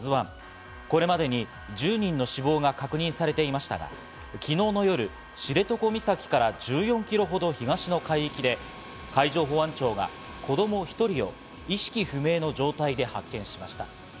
これまでに１０人の死亡が確認されていましたが、昨日の夜、知床岬から１４キロほど東の海域で、海上保安庁が子供１人を意識不明の状態で発見しました。